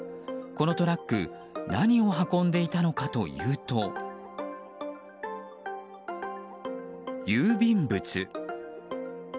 このトラック何を運んでいたのかというと郵便物。